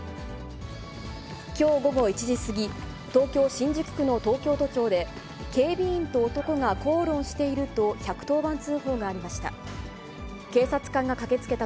きょう午後１時過ぎ、東京・新宿区の東京都庁で、警備員と男が口論していると１１０番通報がありました。